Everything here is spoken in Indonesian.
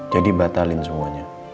jadi batalin semuanya